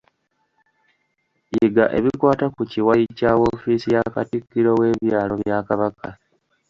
Yiga ebikwata ku kiwayi kya woofiisi ya Katikkiro W’ebyalo bya Kabaka.